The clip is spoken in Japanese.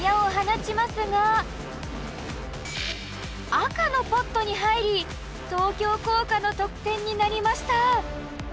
赤のポットにはいり東京工科の得点になりました。